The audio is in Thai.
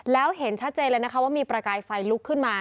แล้วเห็นชัดเจนเลยนะคะว่ามีประกายไฟลุกขึ้นมา